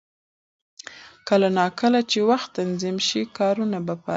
کله نا کله چې وخت تنظیم شي، کارونه به پاتې نه شي.